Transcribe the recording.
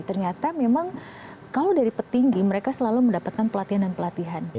ternyata memang kalau dari petinggi mereka selalu mendapatkan pelatihan dan pelatihan